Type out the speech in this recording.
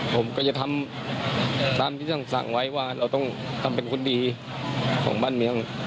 ผมก็จะทำตามที่ท่านสั่งไว้ว่าเราต้องทำเป็นคนดีของบ้านเมือง